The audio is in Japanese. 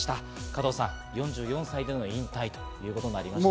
加藤さん、４４歳での引退です。